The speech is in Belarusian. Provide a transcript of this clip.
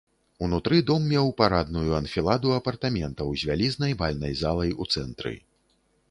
Унутры дом меў парадную анфіладу апартаментаў з вялізнай бальнай залай ў цэнтры.